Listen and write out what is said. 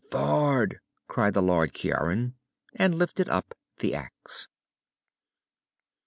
"Thord!" cried the Lord Ciaran, and lifted up the axe.